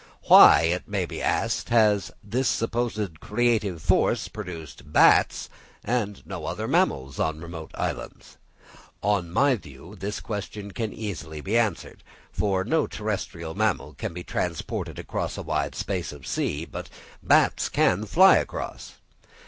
Why, it may be asked, has the supposed creative force produced bats and no other mammals on remote islands? On my view this question can easily be answered; for no terrestrial mammal can be transported across a wide space of sea, but bats can fly across.